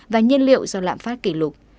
và nhiên liệu do lãm phát kỷ lục